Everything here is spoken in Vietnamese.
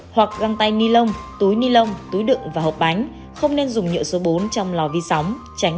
hoặc găng tay ni lông túi ni lông túi đựng và hộp bánh không nên dùng nhựa số bốn trong lò vi sóng